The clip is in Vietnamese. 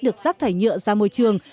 được rác thải nhựa ra môi trường